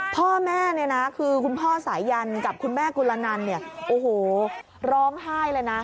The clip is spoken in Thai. พ่อแม่คือคุณพ่อสายันกับคุณแม่กุลนันโอ้โหร้องไห้เลยนะ